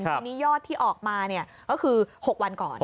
ทีนี้ยอดที่ออกมาก็คือ๖วันก่อน